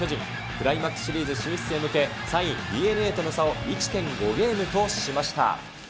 クライマックスシリーズ進出へ向け、３位ＤｅＮＡとの差を１．５ゲームとしました。